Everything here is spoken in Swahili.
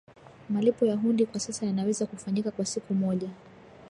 malipo ya hundi kwa sasa yanaweza kufanyika kwa siku moja